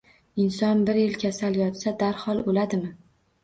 Inson bir yil kasal yotsa, darhol o'ladimi?